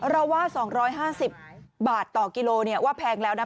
เราว่า๒๕๐บาทต่อกิโลว่าแพงแล้วนะ